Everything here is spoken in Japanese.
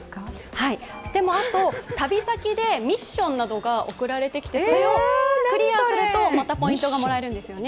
はい、でもあと旅先でミッションなどが送られてきてそれをクリアするとまたポイントがもらえるんですよね。